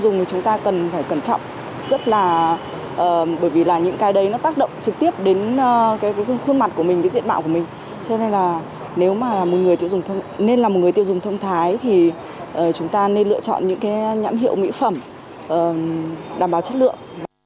nếu là một người tiêu dùng thông thái thì chúng ta nên lựa chọn những nhãn hiệu mỹ phẩm đảm bảo chất lượng